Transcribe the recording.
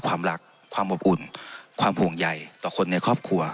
ความรักความอบอุ่นความห่วงใหญ่ต่อคนในครอบครัว